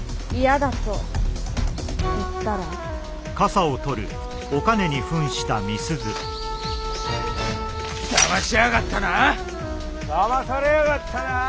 だまされやがったな？